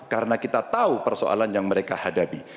karena kita tahu persoalan yang mereka hadapi